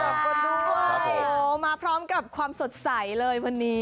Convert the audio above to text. ขอบคุณด้วยมาพร้อมกับความสดใสเลยวันนี้